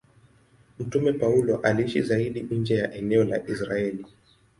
Mtume Paulo aliishi zaidi nje ya eneo la Israeli.